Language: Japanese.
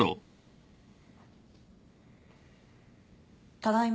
ただいま。